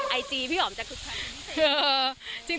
ไอจีพี่อ๋อมจะคึกคักนิดนึง